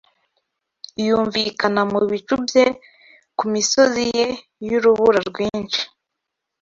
yumvikana mu bicu bye Ku misozi ye y'urubura rwinshi